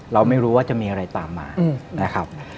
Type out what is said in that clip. เราไม่รู้ว่าจะมีอะไรตามมานะครับ